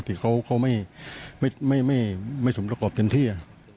สติเขาไม่สมประกอบกันที่